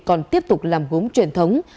còn tiếp tục làm gốm truyền thống